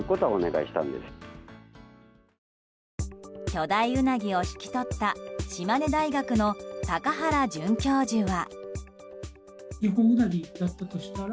巨大ウナギを引き取った島根大学の高原准教授は。